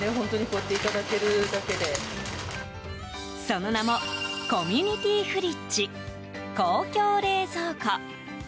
その名もコミュニティフリッジ・公共冷蔵庫。